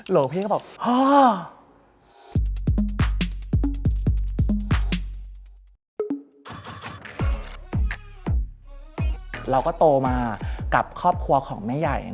เราก็โตมากับครอบครัวของแม่ใหญ่